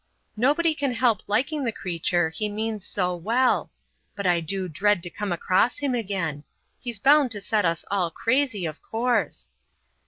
Nobody can help liking the creature, he means so well but I do dread to come across him again; he's bound to set us all crazy, of course.